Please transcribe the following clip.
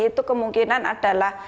itu kemungkinan adalah